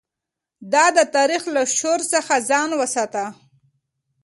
ده د تاريخ له شور څخه ځان وساته.